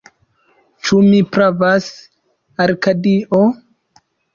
Ĉu mi pravas, Arkadio?